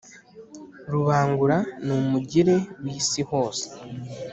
rubangura numugire wisi hose